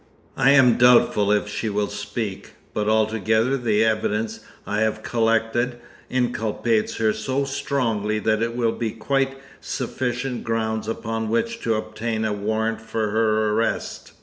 I am doubtful if she will speak; but altogether the evidence I have collected inculpates her so strongly that it will be quite sufficient grounds upon which to obtain a warrant for her arrest.